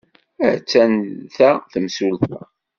Attan da temsulta.